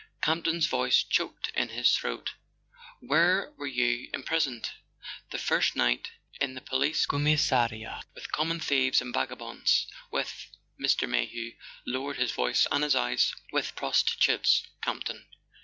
Campton's voice choked in his throat. "Where were you imprisoned?" "The first night, in the Police commissariat, with common thieves and vagabonds—with—" Mr. May¬ hew lowered his voice and his eyes: " With prostitutes, Campton.